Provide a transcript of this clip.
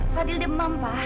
fadil demam pa